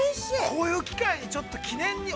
◆こういう機会に、ちょっと記念に。